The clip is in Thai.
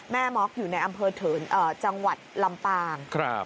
แม่ม็อกอยู่ในอำเภอถืนเอ่อจังหวัดลำปางครับ